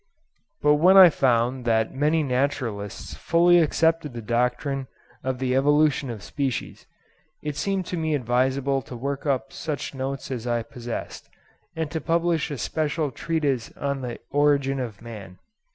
But when I found that many naturalists fully accepted the doctrine of the evolution of species, it seemed to me advisable to work up such notes as I possessed, and to publish a special treatise on the origin of man.